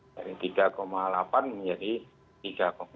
dari tiga delapan menjadi tiga empat